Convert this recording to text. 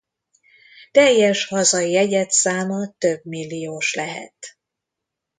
Teljes hazai egyedszáma több milliós lehet.